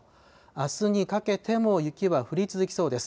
あすにかけても雪は降り続きそうです。